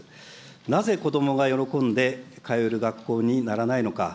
なぜ子どもが喜んで通える学校にならないのか。